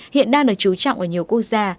hiện đang được chú trọng ở nhiều quốc gia